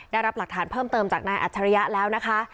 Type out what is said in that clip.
ได้รับหลักฐานเพิ่มเติมจากนายอัจฉริยะแล้วนะคะ